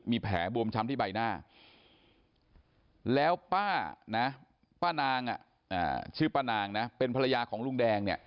มีแผลบวมช้ำที่ใบหน้าแล้วป้านางชื่อป้านางเป็นภรรยาของลุงแดง